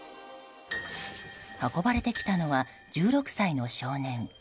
運ばれてきたのは１６歳の少年。